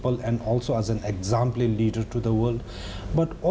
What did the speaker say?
และสร้างสถานการณ์ของไทยบุตร